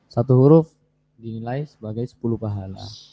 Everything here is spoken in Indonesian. satu huruf dinilai sebagai sepuluh pahala